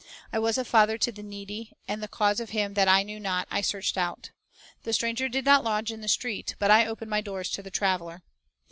I was a father to the needy; And the cause of him that I knew not I searched out." "The stranger did not lodge in the street; But I opened my doors to the traveler."